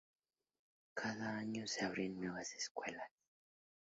Cada año, se abren nuevas escuelas.